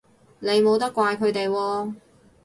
你冇得怪佢哋喎